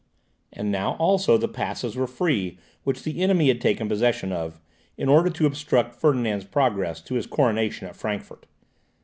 And now also the passes were free which the enemy had taken possession of, in order to obstruct Ferdinand's progress to his coronation at Frankfort.